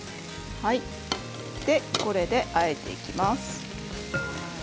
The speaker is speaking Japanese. これで、あえていきます。